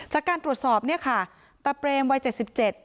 จากการตรวจสอบเนี่ยค่ะตาเปรมวัยเจ็ดสิบเจ็ด